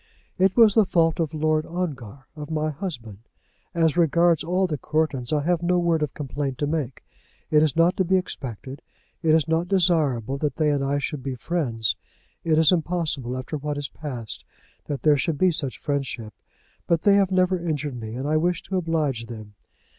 "It was the fault of Lord Ongar, of my husband. As regards all the Courtons I have no word of complaint to make. It is not to be expected, it is not desirable that they and I should be friends. It is impossible, after what has passed, that there should be such friendship. But they have never injured me, and I wish to oblige them.